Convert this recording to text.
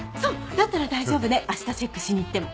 だったら大丈夫ねあしたチェックしに行っても。